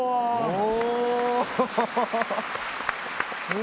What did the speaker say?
お。